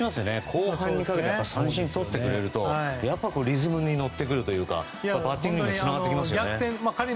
後半にかけて三振とってくれるとリズムに乗ってくるというかバッティングにつながってきますよね。